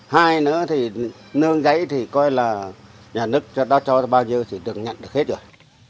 hai nữa thì nương giấy thì coi là nhà nước cho nó cho bao nhiêu thì được nhận được hết rồi